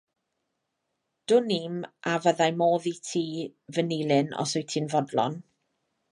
Dwn i'm a fyddai modd iti fy nilyn os wyt ti'n fodlon?